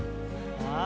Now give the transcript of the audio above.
ああ。